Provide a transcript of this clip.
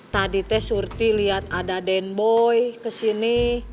tadi teh surti liat ada den boy kesini